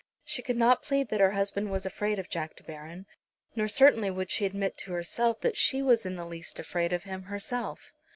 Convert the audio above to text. She could not plead that her husband was afraid of Jack De Baron. Nor certainly would she admit to herself that she was in the least afraid of him herself.